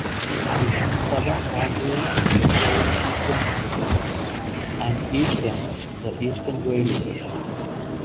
Its southern boundary is the Great Eastern Highway, and eastern the Eastern Railway.